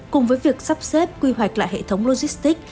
cùng với việc sắp xếp quy hoạch lại hệ thống logistic